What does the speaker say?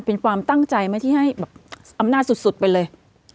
เป็นความตั้งใจไหมที่ให้แบบอำนาจสุดไปเลย